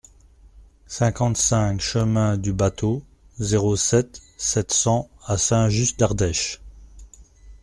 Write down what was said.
cinquante-cinq chemin du Bâteau, zéro sept, sept cents à Saint-Just-d'Ardèche